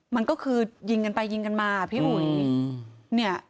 มันก็คือยิงกันไปยิงกันมาพี่อุ๋ย